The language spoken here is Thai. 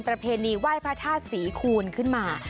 ประเพณีไหว้พระธาตุศรีคูณขึ้นมา